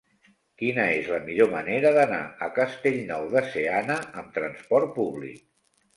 Quina és la millor manera d'anar a Castellnou de Seana amb trasport públic?